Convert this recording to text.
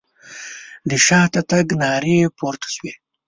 د شاته تګ نارې پورته شوې.